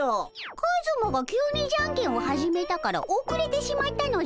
カズマが急にじゃんけんを始めたからおくれてしまったのじゃ。